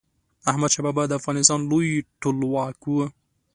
احمد شاه بابا د افغانستان لوی ټولواک و.